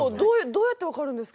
どうやって分かるんですか？